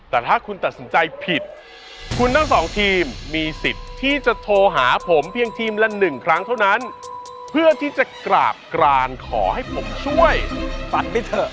แต่ถ้าคุณตัดสินใจผิด